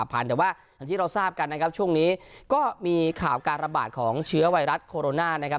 แต่ว่าที่เราทราบกันช่วงนี้ก็มีข่าวการระบาดของเชื้อไวรัสโคนรนา